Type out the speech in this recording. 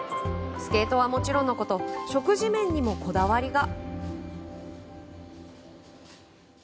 スケートはもちろんのこと食事面にもこだわりが。